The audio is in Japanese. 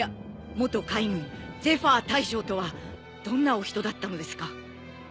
元海軍ゼファー大将とはどんなお人だったのですか？